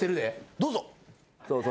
どうぞ。